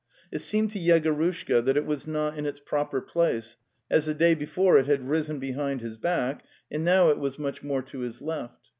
It seemed to Yegorushka that it was not in its proper place, as the day before it had risen behind his back, and now it was much more to his left.